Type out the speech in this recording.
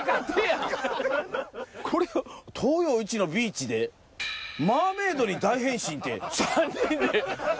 これ「東洋一のビーチでマーメイドに大変身」って３人で。